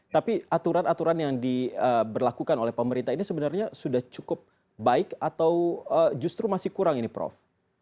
tapi aturan aturan yang diberlakukan oleh pemerintah ini sebenarnya sudah cukup baik atau justru masih kurang ini prof